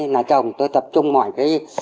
là chồng tôi tập trung mọi cái